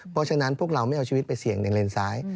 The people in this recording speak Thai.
เพราะฉะนั้นพวกเราไม่เอาชีวิตไปเสี่ยงในเลนซ้าย